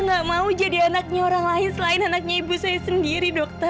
kamu harus sadar